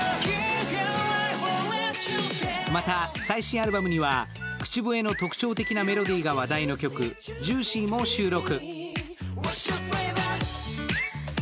また最新アルバムには、口笛の特徴的なメロディが話題の曲、「ＪＵＩＣＹ」も収録。